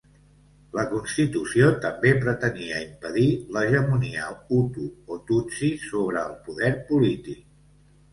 La constitució també pretenia impedir l'hegemonia hutu o tutsi sobre el poder polític.